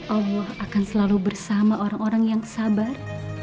allah akan selalu bersama orang orang yang sabar